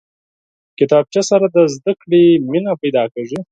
کتابچه سره د زده کړې مینه پیدا کېږي